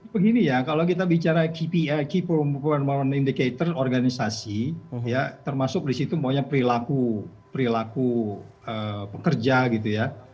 begini ya kalau kita bicara key performance indicators organisasi ya termasuk disitu makanya perilaku pekerja gitu ya